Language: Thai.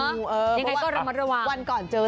ยังไงก็ระมัดระวังนะครับเอออ่าพอวันก่อนเจอ